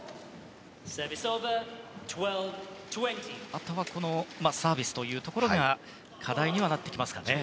あとはサービスというところが課題にはなってきますかね。